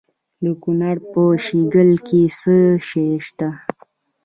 د کونړ په شیګل کې څه شی شته؟